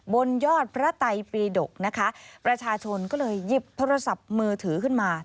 บนยอดพระไตปีดกนะคะประชาชนก็เลยหยิบโทรศัพท์มือถือขึ้นมา